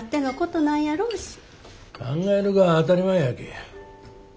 考えるが当たり前やき。